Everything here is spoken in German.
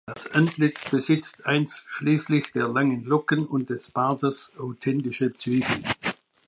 Das Antlitz besitzt einschließlich der langen Locken und des Bartes authentische Züge.